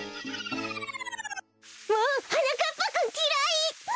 もうはなかっぱくんきらい！